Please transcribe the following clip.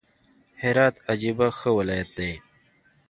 هرات عجبه ښه ولايت دئ!